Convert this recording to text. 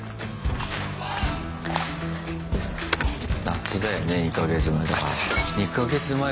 夏だよね２か月前。